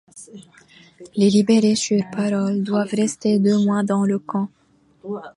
Les libérés sur parole doivent rester deux mois dans le camp.